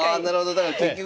だから結局。